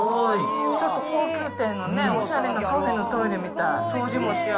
ちょっと高級店のね、おしゃれなカフェのトイレみたい。